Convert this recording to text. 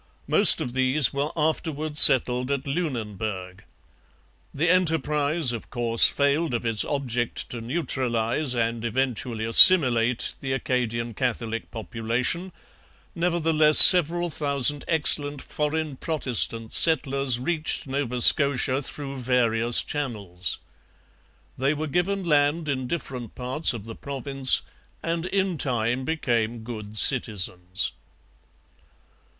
Most of these were afterwards settled at Lunenburg. The enterprise, of course, failed of its object to neutralize and eventually assimilate the Acadian Catholic population; nevertheless several thousand excellent 'foreign Protestant' settlers reached Nova Scotia through various channels. They were given land in different parts of the province and in time became good citizens.